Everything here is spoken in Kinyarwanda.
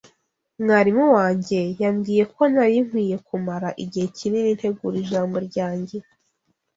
Mwarimu wanjye yambwiye ko nari nkwiye kumara igihe kinini ntegura ijambo ryanjye.